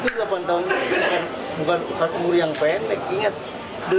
walaupun putusannya delapan tahun itu delapan tahun bukan ukur yang pendek